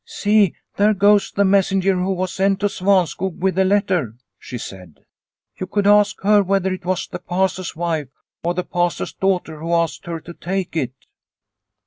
" See, there goes the messenger who was sent to Svanskog with the letter," she said. " You could ask her whether it was the Pastor's wife or the Pastor's daughter who asked her to take it."